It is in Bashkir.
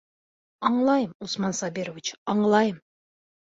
Аңлайым, Усман Сабирович, аңлайым!